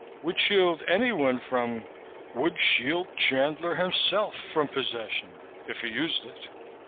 ] Would shield anyone from Would shield Chandler himself from possession if he used it!